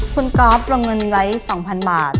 คุณก๊อฟลงเงินไว้๒๐๐๐บาท